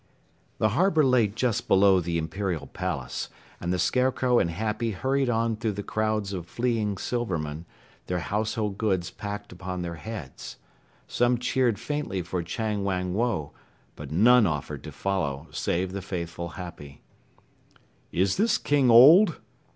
The harbor lay just below the Imperial Palace, and the Scarecrow and Happy hurried on through the crowds of fleeing Silvermen, their household goods packed upon their heads. Some cheered faintly for Chang Wang Woe, but none offered to follow, save the faithful Happy. "Is this king old?"